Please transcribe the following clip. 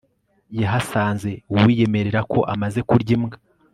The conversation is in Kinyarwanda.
yahasanze uwiyemerera ko amaze kurya imbwa